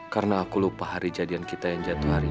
karena aku lupa hari jadian kita yang jatuh hari ini